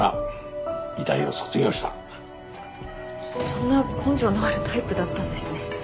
そんな根性のあるタイプだったんですね。